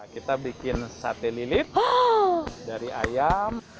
kita bikin sate lilit dari ayam